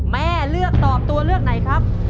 แม่เลือกตอบตัวเลือกไหนครับ